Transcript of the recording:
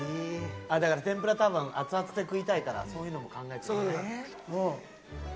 だから天ぷら多分熱々で食いたいからそういうのも考えて。